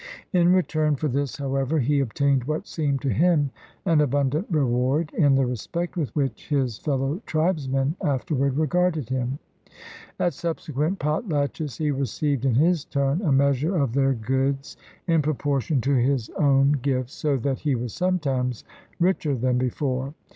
In return for this, however, he obtained what seemed to him an abundant reward in the respect with which his fellow tribesmen afterward regarded him. At subsequent potlatches he received in his turn a measure of their goods in proportion to his own gifts, so that he was sometimes richer than before.